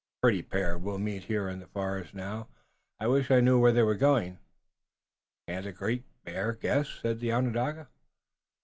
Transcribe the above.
A pretty pair, well met here in the forest. Now, I wish I knew where they were going!" "Can't the Great Bear guess?" said the Onondaga.